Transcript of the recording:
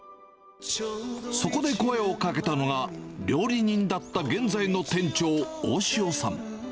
そこで声をかけたのが、料理人だった現在の店長、大塩さん。